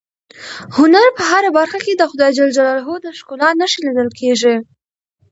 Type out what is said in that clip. د هنر په هره برخه کې د خدای ج د ښکلا نښې لیدل کېږي.